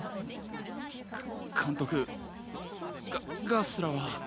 か監督ガガスラは。